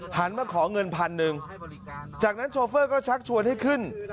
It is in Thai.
มาขอเงินพันหนึ่งจากนั้นโชเฟอร์ก็ชักชวนให้ขึ้น